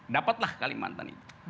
dapatlah kalimantan itu